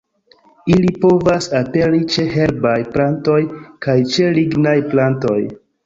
Ili povas aperi ĉe herbaj plantoj kaj ĉe lignaj plantoj.